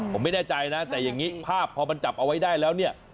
ผมไม่แน่ใจนะแต่อย่างนี้ภาพพอมันจับเอาไว้ได้แล้วเนี่ย